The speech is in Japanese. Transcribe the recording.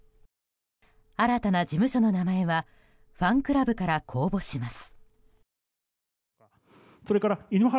新たな事務所の名前はファンクラブから公募します。